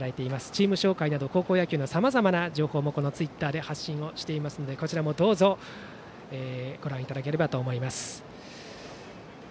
チーム紹介など高校野球のさまざまな情報もツイッターで発信をしていますのでこちらもどうぞご覧いただければと思います。